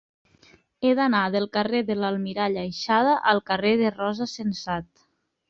He d'anar del carrer de l'Almirall Aixada al carrer de Rosa Sensat.